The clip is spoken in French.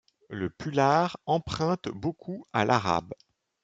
Le pular emprunte beaucoup à l'arabe.